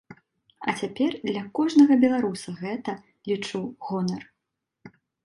А цяпер для кожнага беларуса гэта, лічу, гонар!